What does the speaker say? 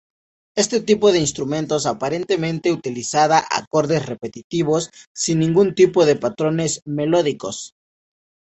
Este tipo de instrumentos, aparentemente utilizada acordes repetitivos sin ningún tipo de patrones melódicos.